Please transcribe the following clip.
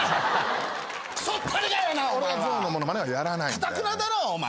かたくなだなお前。